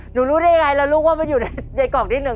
หนูรู้ได้อย่างไรละลูกว่ามันอยู่ในกล่องที่หนึ่ง